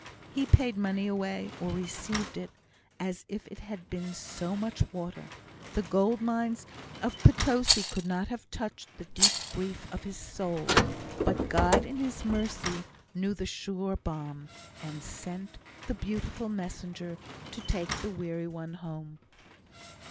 He paid money away, or received it, as if it had been so much water; the gold mines of Potosi could not have touched the deep grief of his soul; but God in His mercy knew the sure balm, and sent the Beautiful Messenger to take the weary one home.